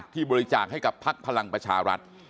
ที่บริจาคให้กับพลักษณ์พลังประชารัฐ